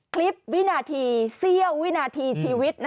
คลิปวินาทีเซี่ยววินาทีชีวิต